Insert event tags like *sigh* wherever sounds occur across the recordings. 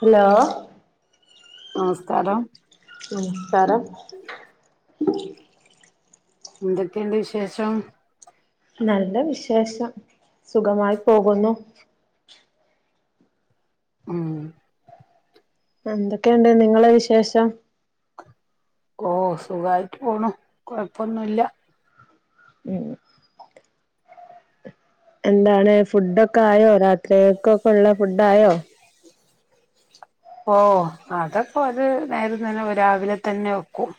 Hello നമസ്കാരം നമസ്കാരം. എന്തൊക്കെണ്ട് വിശേഷം? നല്ല വിശേഷം സുഖമായി പോകുന്നു. ഉമ് എന്തൊക്കെയുണ്ട് നിങ്ങള വിശേഷം? ഓഹ് സുഖായിട്ട് പോണു കൊഴപ്പൊന്നുല്ല ഉം എന്താണ് ഫുഡൊക്കെ ആയോ രാത്രിക്കൊക്കെ ഉള്ള ഫുഡ് ആയോ ഓഹ് അതപ്പോ രു നേര തന്നെ രാവിലെ തന്നെ വെക്കും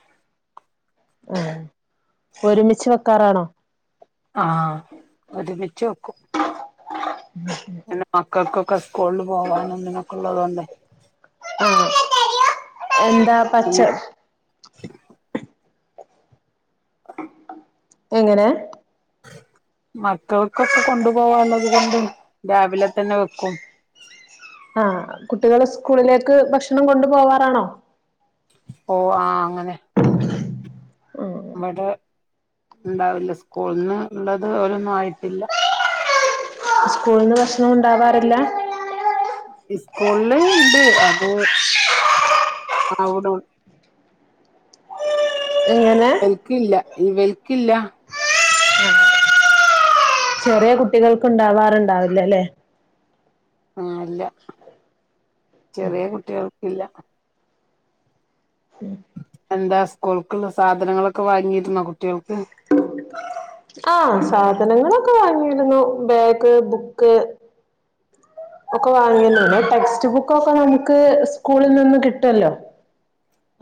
ഓഹ് ഒരുമിച്ച് വെക്കാറാണോ? ആഹ് ഒരുമിച്ചു വെക്കും പിന്നെ മക്കക്കൊക്കെ സ്കൂൾ പോവാനും ഇതിനൊക്കെ ഉള്ളതുകൊണ്ട് ആഹ് എന്താ പച്ച എങ്ങനെ മക്കൾക്കൊക്കെ കൊണ്ടു പോവാള്ളത് കൊണ്ട് രാവിലെ തന്നെ വെക്കും ആഹ് കുട്ടികള് സ്കൂളിലേക്ക് ഭക്ഷണം കൊണ്ടു പോവാറാണോ ഓഹ് ആഹ് അങ്ങനെ. ആഹ്. ഇണ്ടാവില്ല സ്കൂള്ന്ന് ഇള്ളത് ഓരൊന്നും ആയിട്ടില്ല. സ്കൂളിന്ന് ഭക്ഷണം ഉണ്ടാവാറില്ല. ഇസ്കൂളില് ഇണ്ട്, അത് ആവിടൊ എങ്ങനെ വൽക്കില്ല ഇവൽക്കില്ല. ചെറിയ കുട്ടികൾക്ക് ഇണ്ടാവാറുണ്ടാവില്ലല്ലെ. ആഹ് ഇല്ല ചെറിയ കുട്ടികൾക്കില്ല. എന്താ സ്കൂൾക്കുള്ള സാധനങ്ങളൊക്കെ വാങ്ങിയിരുന്നോ കുട്ടികൾക്ക്? ആഹ് സാ സാധനങ്ങളൊക്കെ വാങ്ങിയിരുന്നു. Bag book. *unintelligible* ഒക്കെ വാങ്ങുന്നേ ടെക്സ്റ്റ് ബുക്കൊക്കെ നമുക്ക് സ്കൂളിൽ നിന്ന് കിട്ടുല്ലോ.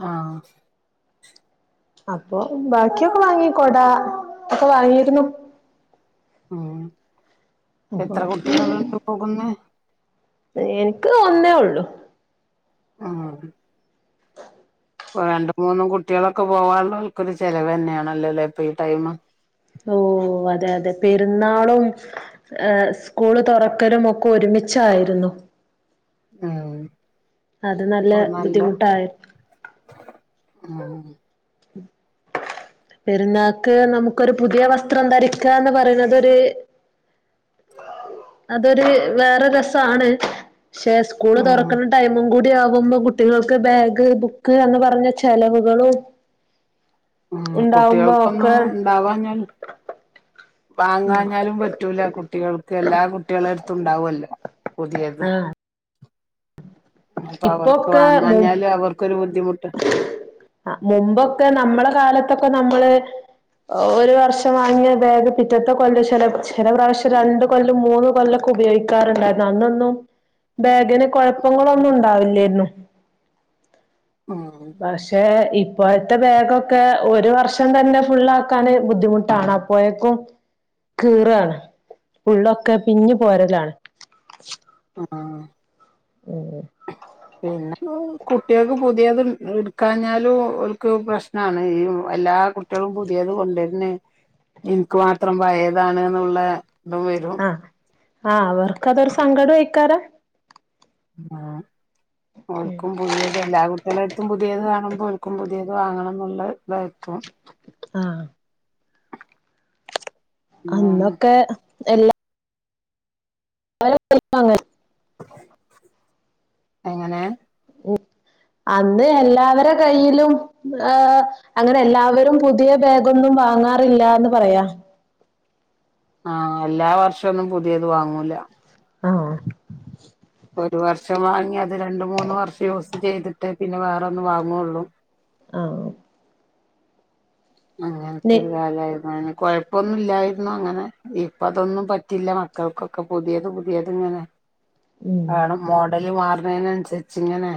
ആഹ. അപ്പൊ ബാക്കിയൊക്കെ വാങ്ങി. കൊട ഒക്കെ വാങ്ങിരുന്നു. ഉ. അപ്പൊ എത്ര കുട്ടികൾണ്ട് പോകുന്നോ. ക്ക് ഒന്നേ ഉള്ളു. ആഹ. *unintelligible* രണ്ട മൂന്നും കുട്ടികളൊക്കെ പോവാനുള്ള ആൾക്കൊരു ചെലവ് തന്നെയണല്ലോല്ലോ ഇപ്പൊ ഈ ടൈം ഓ. ഓ അതെ. അതെ പെരുന്നാളും ഹ് സ്കൂള് തുറക്കലും ഒക്കെ ഒരുമിച്ചായിരുന്നു. *inaudible* ആഹ. അത് നല്ല ബുദ്ധിമുട്ടായി. ഉം. ഉ. പെരുന്നാക്ക് നമുക്കൊരു പുതിയ വസ്ത്രം ധരിക്കാന്ന് പറയുന്നത് ഒരു ഇത്. *inaudible* അതൊരു വേറെ രസാണ് ക്ഷ സ്കൂൾ ഉം തുറക്കുന്ന ടൈമും കൂടി. *unintelligible* ആവുംബോൾ കുട്ടികൾക്ക് ബാഗ് ബുക്ക് എന്ന് പറഞ്ഞ ചെലവുകളും. ഉ. ഉണ്ടാവുമ്പോ കുട്ടികൾക്കൊന്നും ഒക്കെ ഇണ്ടാവാഞ്ഞല്. ഉം വാങ്ങാഞ്ഞാലും പറ്റൂല? കുട്ടികൾക്ക് എല്ലാ കുട്ടികളരുത്തും ഉണ്ടാവല്ലോ. പുതിയത്. ആഹ് അപ്പൊ അവർക്ക് വാങ്ങാഞ്ഞാല് അവർക്കരു ആ. മുമ്പൊക്കെ നമ്മള കാലത്തൊക്കെ നമ്മള്. ഒരു വർഷം വാങ്ങിയ ബാഗ്പിറ്റത്തെ കൊല്ല *unintelligible* ചെല പ്രാവിശ്യംരണ്ട് കൊല്ല മൂന്ന് കൊല്ല ഉപയോഗിക്കാറുണ്ടായിരുന്നു. അന്നൊന്നും ബോഗിന് കുഴപ്പങ്ങളൊന്നും ഉണ്ടാവില്ലന്നു. *inaudible* പക്ഷെ ഇപ് പ്പോഴത്തെ ബേഗൊക്കെ ഒരു വർഷം തന്നെ ഫുള്ള ആക്കാന് ബുദ്ധിമുട്ടാണ്. അപ്പോഴേക്കും. കീറാണ്, ഉള്ള് ഒക്കെപിഞ്ഞ്പോരലാണ്. ആഹ. ഹ്. പിന്നെ? കുട്ടികൾക്ക് പുതിയത് എടുക്കാഞ്ഞാലും ഒൽക്ക് പ്രശ്നാണ്. എല്ലാ കുട്ടികളും പുതിയത് കൊണ്ടിരന്ന് എനിക്ക് മാത്രം ഭയതാണ് എന്നുള്ള അഹ് വരും. ആഹ. അവർക്ക്അതൊരു സങ്കടം ഐയ്ക്കാരം. ആ. ഒൽക്കും പുതിയത് എല്ലാ കുട്ടികള അടുത്തും പുതിയത് കാണും. ഒൽക്കും പുതിയത് വാങ്ങണം എന്നുള്ള ഇതായിരിക്കും. ആഹ് അന്നൊക്കെ എല്ലാം *unintelligible* എങ്ങനെ *unintelligible* അന്ന് എല്ലാവരു കയ്യിലും ഏ അങ്ങനെ എല്ലാവരും പുതിയ ബാക്കൊന്നും വാങ്ങാറില്ല എന്ന് പറയാ ആഹ് എല്ലാ വർഷം ഒന്നും പുതിയത് വാങ്ങൂല ആഹ് ഒരു വർഷം വാങ്ങി അത് രണ്ട് മൂന്ന് വർഷം യൂസ് ചെയ്തിട്ട് പിന്നെ വേറെ ഒന്ന്‌ വാങ്ങുള്ളൂ ആഹ് അങ്ങനത്തെ നി ഒരു കാലായിരുന്നു *unintelligible* കൊഴപ്പൊന്നും ഇല്ലായിരുന്നു അങ്ങനെ ഇപ്പ അതൊന്നും പറ്റില്ല മക്കൾക്കൊക്കെ പുതിയത് പുതിയത് ഇങ്ങനെ ഉം വാണം. മോഡല് മാറ്ണേനനുസരിച്ച് ഇങ്ങനെ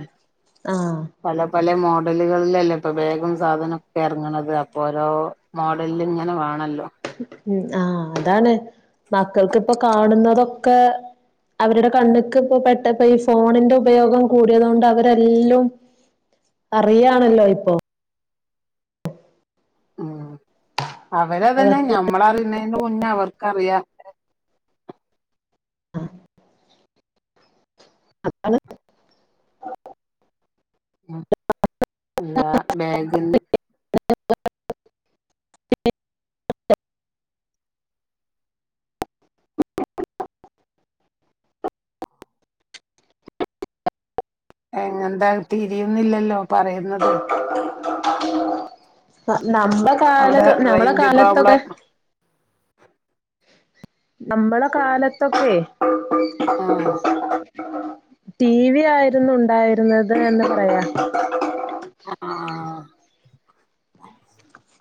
ആഹ് പല പല മോ ഡലുകളിലല്ലേ ഇപ്പൊ വേഗും സാധനൊക്കെ ഇറങ്ങണത് അപ്പൊ ഓരോ മോഡലില് ഇങ്ങനെ വാണല്ലോ ഉം ആഹ് അതാണ് മക്കൾക്കിപ്പൊ കാണുന്നതൊക്കെ അവരുടെ കണ്ണുക്ക് ഇപ്പോ പെട്ടപ്പോ ഈ ഫോണിന്റെ ഉപയോഗം കൂടിയത് കൊണ്ട് അവരെല്ലും അറിയാണല്ലോ ഇപ്പൊ ഉം അവരത് തന്നെ അവർക്ക് ഞമ്മള അറിണെ ന്റെ മുന്നേ അവർക്കറിയാം ആഹ് *unintelligible* ഉം അല്ലാ ബാഗിന്ന് *unintelligible* എങ്ങെന്താ തിരിയുന്നില്ലല്ലോ പറയുന്നത് നമ്മുടെ അവിടെ കാലത്ത് നമ്മളുടെ റേഞ്ച് കാലത്തൊക്കെ പ്രോബ്ലം നമ്മളെ കാലത്തൊക്കെ ആഹ് ടി വി ആയിരുന്നു ഉണ്ടായിരുന്നത് എന്ന് പറയാ ആഹ്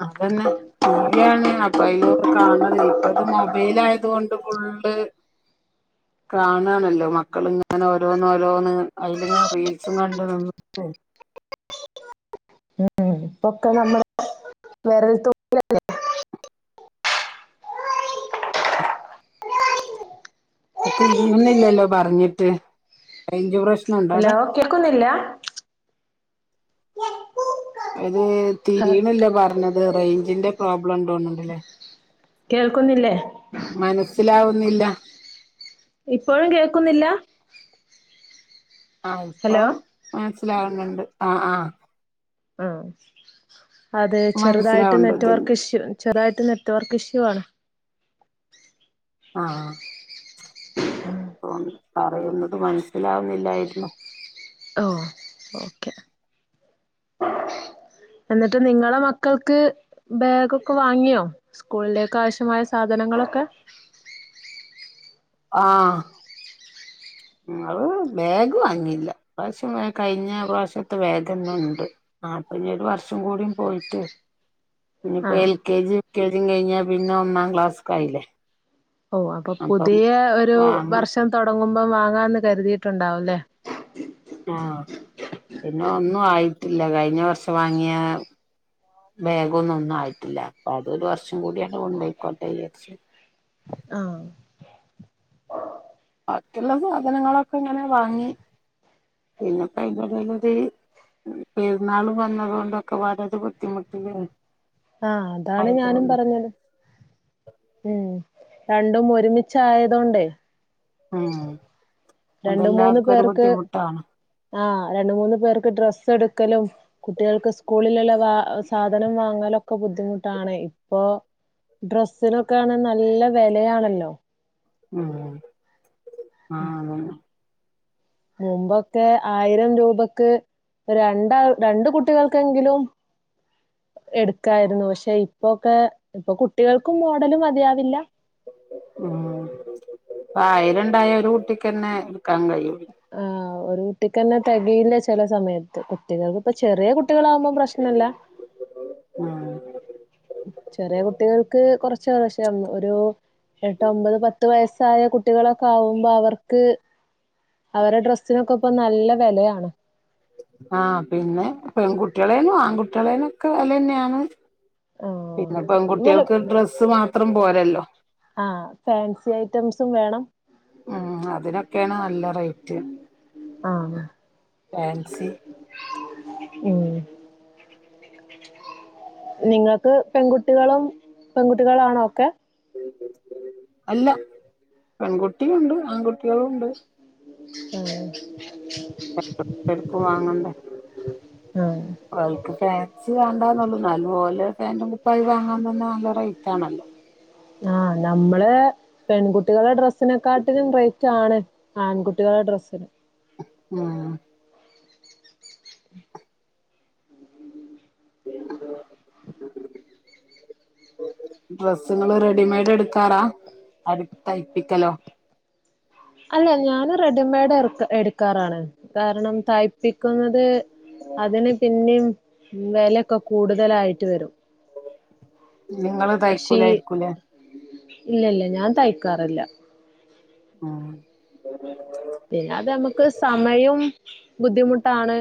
അതന്നെ ടി വി ആണ്. അപ്പൊ അ യ്ലത് കാണല് ഇപ്പൊ ഇത് മൊബൈൽ ആയത് കൊണ്ട് ഫുൾ ള്ള് കാണാണല്ലോ മക്കളിങ്ങനെ ഓരോന്ന് ഓരോന്ന് അയ്ലിങ്ങനെ റീൽസും കണ്ട് *unintelligible* ഉം ഇപ്പൊക്കെ നമ്മള് വിരൽത്തുമ്പിലല്ലേ തിരിയുന്നില്ലല്ലോ പറഞ്ഞിട്ട് റയ്ഞ്ച് പ്രശ് ഹലോ കേക്കുന്നില്ല അത് തിരിയ്ണില്ല പറഞ്ഞത്. റേഞ്ചിന്റെ പ്രോബ്ലം ഉണ്ടോണ് ണ്ട്ല്ലേ കേൾക്കുന്നില്ലേ മനസ്സിലാവുന്നില്ല ഇപ്പോഴും കേൾക്കുന്നില്ല ആഹ് ഇപ്പം മനസിലാവുന്നുണ്ട് ആഹ് ആഹ് ആഹ് അത് ചെറുതായിട്ട് മനസ്സിലാവുണ്ട് നെറ്റ് ഇതിന് വർക്ക് ഇഷ്യൂ ചെറുതായിട്ട് നെറ്റ് വർക്ക് ഇഷ്യൂ ആണ് ആഹ് *inaudible* *unintelligible* പറയുന്നത് മനസ്സിലാവുന്നില്ലായിരുന്നു ഓ ഓക്കെ എന്നിട്ട് നിങ്ങളെ മക്കൾക്ക് ബാഗൊക്കെ വാങ്ങിയോ സ്കൂളിലേക്കാവശ്യമായ സാധനങ്ങളൊ ക്കെ ആഹ് ഞങ്ങള് ബാഗ് വാങ്ങിയില്ല. ഇപ്രാവശ്യം കഴിഞ്ഞ പ്രാവശ്യത്തെ ബേഗെന്നെ ഇണ്ട് ആ അപ്പൊ ഇനിയൊരു വർഷം കൂടി പോയിട്ട് ഇനിയിപ്പോ ആഹ് L K G U K G കഴിഞ്ഞാ പിന്നെ ഒന്നാം ക്ലാസ്ക്കായില്ലേ ഓ അപ്പൊ അപ്പം പുതിയ ഒരു വാങ്ങ വർഷം തുടങ്ങുമ്പം വാങ്ങാന്ന് കരുതിയിട്ടുണ്ടാവും ല്ലേ ആഹ് പിന്നെ ഒന്നും ആയിട്ടില്ല കഴിഞ്ഞവർഷം വാങ്ങിയ ബാഗൊന്നും ഒന്നും ആയിട്ടില്ല അപ്പൊ അതൊരു വർഷം കൂടിയെന്നെ കൊണ്ടയ്ക്കോട്ടെ വിചാരിച്ച് ആഹ് ബാക്കിയുള്ള സാധനങ്ങളൊക്കെങ്ങനെ വാങ്ങി പിന്നെ ഇപ്പയിന്റെടേലൊര് പെരുന്നാൾ വന്നതോണ്ടൊക്കെ പാടെ ഒരു ബുദ്ധിമുട്ടില് ആഹ് അതാണ് ഞാനും ആയതുകൊണ്ട് പറഞ്ഞത് ഉം രണ്ടും ഒരുമിച്ചായതോണ്ടേ ഉം അതെല്ലാർക്കൊരു ബുദ്ധിമുട്ടാണ് ആ രണ്ട്മൂന്ന്പേർക്ക് ഡ്രസ്സെടുക്കലും കുട്ടികൾക്ക് സ്കൂളിലുള്ള വ സാധനം വാങ്ങലും ഒക്കെ ബുദ്ധിമുട്ടാണ് ഇപ്പോ ഡ്രസ്സിനൊക്കാണെ നല്ല വെലയാണല്ലോ ഉം ആ അതന്നെ മുമ്പൊക്കെ ആയിരം രൂപക്ക് രണ്ടാൾ രണ്ട് കുട്ടികൾക്കെങ്കിലും എടുക്കായിരുന്നു പക്ഷെ ഇപ്പൊക്കെ ഇപ്പൊ കുട്ടികൾക്കും മോഡലു മതിയാവില്ല ഉം ആയിരണ്ടായ ഒരു കുട്ടിക്കെന്നെ എടു ക്കാൻകഴിയു ആഹ് ഒരു കുട്ടിക്കന്നെ തെകയില്ല ചെല സമയത്ത് കുട്ടികൾക്ക്പ്പ ചെറിയ കുട്ടികളാകുമ്പോ പ്രശ്നല്ല *inaudible* ഉം ചെറിയ കുട്ടികൾക്ക് കൊറച്ചേകദേശം ഒരു എട്ടൊമ്പത് പത്ത് വയസ് സായ കുട്ടികളൊക്കാകുമ്പോ അവർക്ക് അവരെ ഡ്രസ്സിനൊക്കെപ്പൊ നല്ല വെലയാണ് ആഹ് പിന്നെ പെൺകുട്ടികളേനും ആൺകുട്ടികളേനൊക്കെ വെലെന്നെയാണ് ആ പിന്നെ നല്ല പെൺകുട്ടികൾക്ക് ഡ്രസ്സ്മാത്രം പോരല്ലോ ആ ഫാൻസി ഐറ്റംസും വേണം ഉം അതിനൊക്കെയാണ് നല്ല റേറ്റ് ആ ഫാൻസി ഉം നിങ്ങൾക്ക് പെൺകുട്ടികളും പെൺകുട്ടികളാണോ ഒക്കെ അല്ല പെൺകുട്ടിയുണ്ട് ആൺകുട്ടികളുണ്ട് ഉം *unintelligible* ടുക്കും വാങ്ങണ്ടേ ആ ഓല്ക്ക് ഫാൻസി വേണ്ടാന്നുള്ളൂ നല്ലപോലെ പാന്റും കുപ്പായും വാങ്ങാൻതന്നെ നല്ല റേറ്റാണല്ലോ ആഹ് ആ നമ്മള് പെൺകുട്ടികളുടെ ഡ്രസ്സിനെക്കാട്ടിലും റേറ്റാണ് ആൺകുട്ടികളുടെ ഡ്രസ്സിന് ആഹ് *inaudible* ഡ്രസ്സ്‌ങ്ങള് റെഡിമെയ്ഡെടുക്കാറാ അടി തയ്പ്പിക്കലോ അല്ല ഞാന് റെഡിമെയ്ഡ് എടുക്കാറാണ് കാരണം തയ്പ്പിക്കുന്നത് അതിന് പിന്നെയും വിലൊക്കെ കൂടുതലായിട്ട് വരും നിങ്ങള് തയ്ക്കൂലായിരിക്കും ല്ലേ ഇല്ലല്ല ഞാൻ തയ്ക്കാറില്ല ആഹ് പിന്നെ അത് നമുക്ക് സമയവും ബുദ്ധിമുട്ടാണ്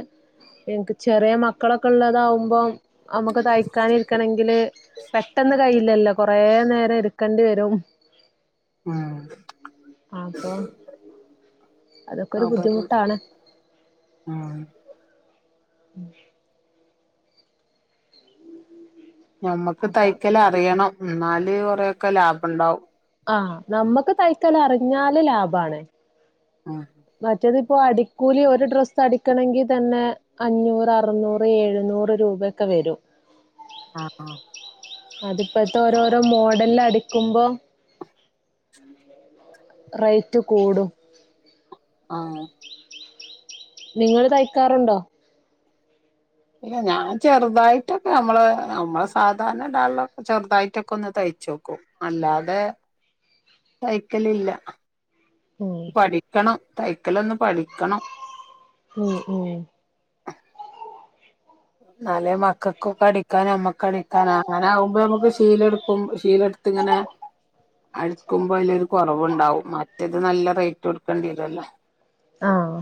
എനിക്ക് ചെറിയ മക്കളൊക്കുള്ളതാവുമ്പോം നമക്ക് തയ്ക്കാനിരിക്കണെങ്കില് പെട്ടന്ന് കയ്യില്ലല്ലോ കൊറേ നേരം എടുക്കണ്ടി വരും ഉം അപ്പൊ അതൊക്കെ ഒരു അപരൂപ ബുദ്ധിമുട്ടാണ് ഉം ഉം ഞമ്മക്ക് അപ്പൊ തയ്ക്കല് അറിയണം ഇന്നാല് കൊറെയൊക്കെ ലാഭം ഇണ്ടാവും ആ നമ്മക്ക് തൈക്കല് അറിഞ്ഞാല് ലാഭാണ് ഉം മറ്റത്പ്പോ അടിക്കൂലി ഒരു ഡ്രസ്സ് അടിക്കണെങ്കി തന്നെ അഞ്ഞൂറ് അറുന്നൂറ് ഏഴു നൂർ രൂപയൊക്കെ വരും ആ അതിപ്പഴത്തെ ഓരോരോ മോഡല്‌ല് അടിക്കുമ്പോ റേറ്റ് കൂടും ആ നിങ്ങൾ തയ്ക്കാറുണ്ടോ ഇല്ല ഞാൻ ചെറുതായിട്ടൊക്കെ നമ്മള് നമ്മളെ സാധാരണ ഇടാള്ളൊക്കെ ചെറുതായിട്ടൊക്കെ ഒന്ന് തയ് ചോക്കും അല്ലാതെ തൈക്കൽ ഇല്ല ഉം പഠിക്കണം തൈക്കലൊന്ന് പഠിക്കണം ഉം ഉം അതെ മക്കൾക്കും അടിക്കാനും അമ്മക്കടിക്കാന അങ്ങനെ ആകുമ്പോ നമ്മുക്ക് ശീലട്ക്കും ശീല പ്പ്ത്തിങ്ങനെ അഴക്കുമ്പോ അതിലരു കുറവുണ്ടാവും മറ്റത് നല്ല റേറ്റ് കൊടുക്കേണ്ടിരല്ലോ ആഹ്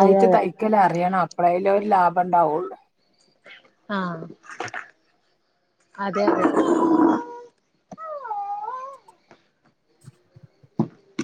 അതെ അതെ തയ്ക്കലറിയണം അപളയില ഒരു ലാഭ ഇണ്ടാവൂള്ളൂ ആ അതെ അതെ